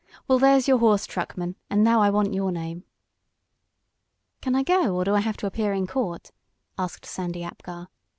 Well, there's your horse, truckman. And now I want your name." "Can I go, or do I have to appear in court?" asked Sandy Apgar.